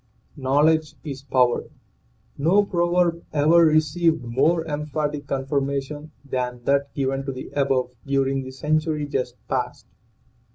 "KNOWLEDGE IS POWER' 1 proverb ever received more emphatic confirma tion than that given to the above during the century just past.